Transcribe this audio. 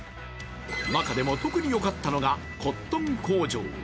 中でも特によかったのがコットン工場。